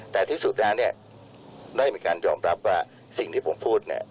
แต่ที่สุดแล้วเนี่ยได้มีการยอมรับว่าสิ่งที่ผมพูดเนี่ย